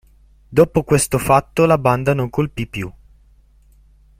Dopo questo fatto la banda non colpì più.